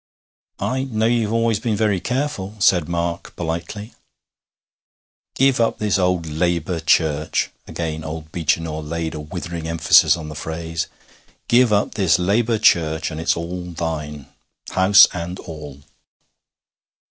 'I know you've always been very careful,' said Mark politely. 'Give up this old Labour Church' again old Beechinor laid a withering emphasis on the phrase 'give up this Labour Church, and its all thine house and all.'